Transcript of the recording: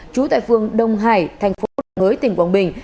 trú tại phương đông hải thành phố nguyễn ngới tỉnh quảng bình